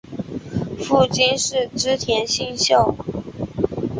父亲是织田信秀。